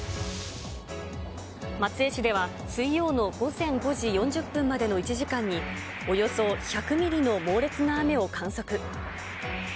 松江市では、水曜の午前５時４０分までの１時間に、およそ１００ミリの猛烈な雨を観測。